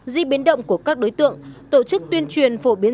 di biến động của các đối tượng tổ chức tuyên truyền phổ biến